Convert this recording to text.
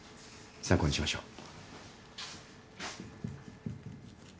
参考にしましょう。